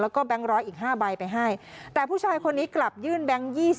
แล้วก็แบงค์ร้อยอีก๕ใบไปให้แต่ผู้ชายคนนี้กลับยื่นแบงค์๒๐